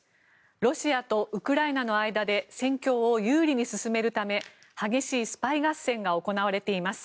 ロシアとウクライナの間で戦況を有利に進めるため激しいスパイ合戦が行われています。